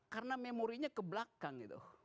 karena memorinya ke belakang